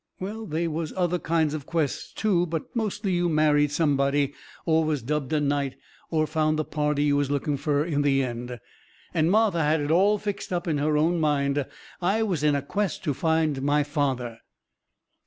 Well, they was other kind of quests too, but mostly you married somebody, or was dubbed a night, or found the party you was looking fur, in the end. And Martha had it all fixed up in her own mind I was in a quest to find my father.